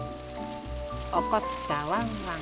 おこったワンワン